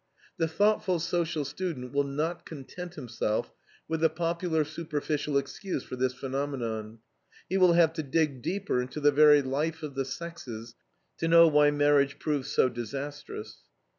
The thoughtful social student will not content himself with the popular superficial excuse for this phenomenon. He will have to dig deeper into the very life of the sexes to know why marriage proves so disastrous.